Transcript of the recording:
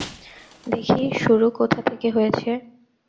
দেখি শুরু কোথা থেকে হয়েছে?